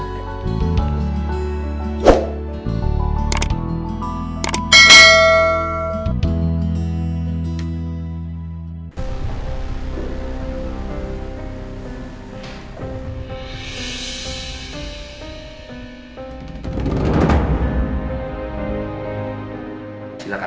ya sebentar silahkan